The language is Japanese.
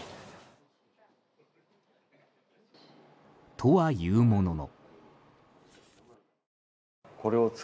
とはいうものの。